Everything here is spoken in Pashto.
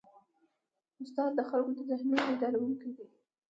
استاد د خلکو د ذهنونو بیدارونکی دی.